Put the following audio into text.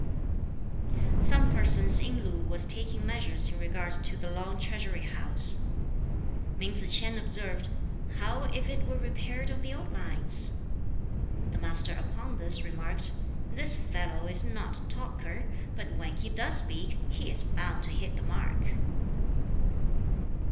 Some persons in Lu were taking measures in regard to the Long Treasury House. Min Tsz k'ien observed, "How if it were repaired on the old lines?" The Master upon this remarked, "This fellow is not a talker, but when he does speak he is bound to hit the mark!"